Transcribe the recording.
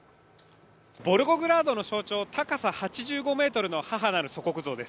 ボルゴグラードの象徴、高さ８５ｍの母なる祖国像です。